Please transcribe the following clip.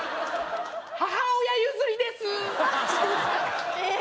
母親譲りですへ